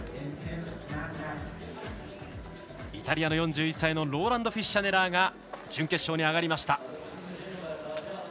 イタリアの４１歳のローランド・フィッシャネラーが準決勝に上がりました。